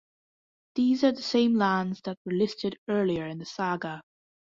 These are the same lands that were listed earlier in the saga.